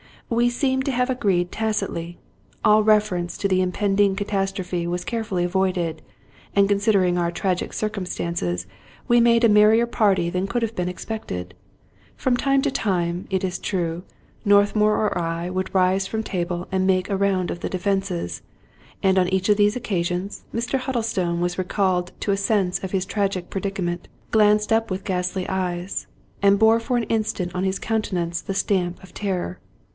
We seemed to have agreed tacitly ; all reference to the impending catastrophe was care fully avoided ; and, considering our tragic circumstances, we made a merrier party than could have been expected. From time to time, it is true, Northmour or I would rise from table and make a round of the defenses; and, on each of these occasions, Mr. Huddlestone was recalled to a sense of his tragic predicament, glanced up with ghastly eyes, and bore for an instant on his countenance the stamp of terror.